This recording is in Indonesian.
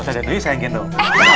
ustadzah dulu ya sayang gendong